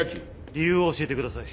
理由を教えてください。